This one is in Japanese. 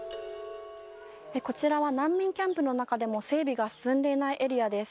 こちらは難民キャンプの中でも、整備が進んでいないエリアです。